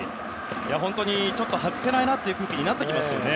ちょっと外せないなっていう空気になってきますよね。